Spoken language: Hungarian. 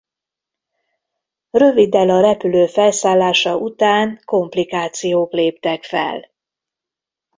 Röviddel a repülő felszállása után komplikációk léptek fel.